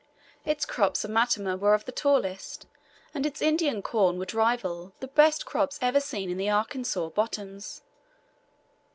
Its crops of matama were of the tallest, and its Indian corn would rival the best crops ever seen in the Arkansas bottoms.